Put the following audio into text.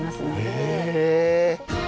へえ。